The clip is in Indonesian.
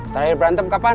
terakhir berantem kapan